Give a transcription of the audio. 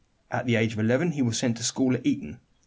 At the age of eleven he was sent to school at Eton.